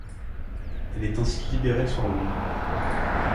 Elle est ainsi libérée le soir même.